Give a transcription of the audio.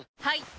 はい！